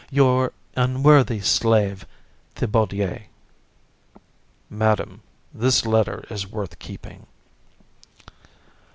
Your unworthy slave, THIBAUDIER." Madam, this letter is worth keeping.